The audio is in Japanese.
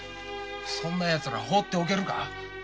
そんなヤツらほうっておけるか？